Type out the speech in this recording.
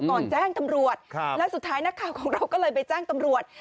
แจ้งตำรวจแล้วสุดท้ายนักข่าวของเราก็เลยไปแจ้งตำรวจ